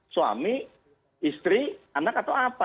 suami istri anak atau apa